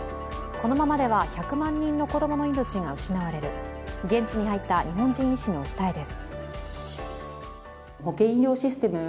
このままでは１００万人の子供の命が失われる、現地に入った日本人医師の訴えです。